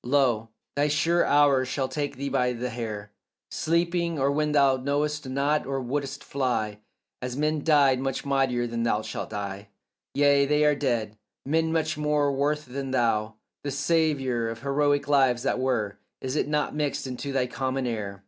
Lo, thy sure hour shall take thee by the hair Sleeping, or when thou knowest not, or wouldst fly; And as men died much mightier shalt thou die. Yea, they are dead, men much more worth than thou; The savour of heroic lives that were, Is it not mixed into thy common air?